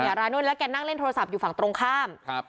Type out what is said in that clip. ร้านนู่นแล้วแกนั่งเล่นโทรศัพท์อยู่ฝั่งตรงข้ามครับ